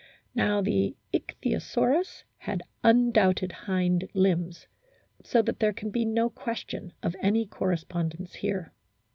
Now the Ichthyosaurus had undoubted hind limbs, so that there can be no question of any correspondence here.